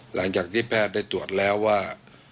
หลังจากที่แพทย์ได้ตรวจแล้วว่า